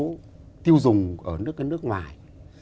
mà chúng ta có thể sử dụng ở những cái nước ngoài